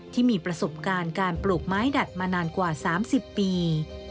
ที่มีประสบการณ์การปลูกไม้ดัดมานานกว่า๓๐ปี